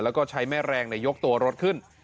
แล้วก็ใช้แม่แรงในยกตัวรถขึ้น